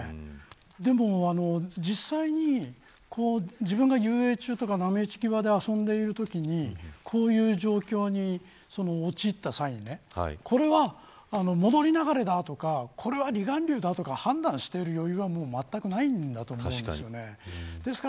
でも実際に、自分が遊泳中とか波打ち際で遊んでるときにこういう状況に陥った際にこれは、戻り流れだとかこれは離岸流だとか判断する余裕はまったくないんだと思います。